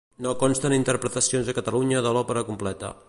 No consten interpretacions a Catalunya de l'òpera completa.